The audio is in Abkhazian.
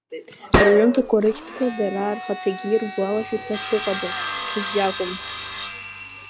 Рҩымҭақәа рыхьӡқәа дара рхаҭагьы иргәалашәоит ҳәа сыҟаӡам, ҽаӡә иакәым…